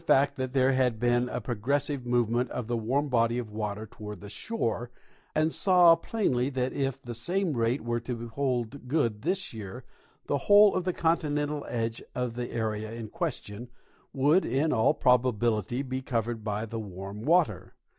165 that there had been a progressive movement of tlie warm body of water toward the shore, and saw plainly that if the same rate were to hold good this year the whole of the continental edge of the area in question would in all probability be covered by the warm water.